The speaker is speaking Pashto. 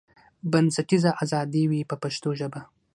بنسټیزه ازادي وي په پښتو ژبه.